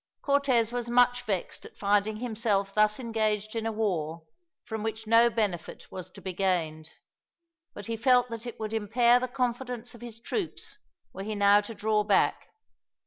Cortez was much vexed at finding himself thus engaged in a war, from which no benefit was to be gained; but he felt that it would impair the confidence of his troops, were he now to draw back.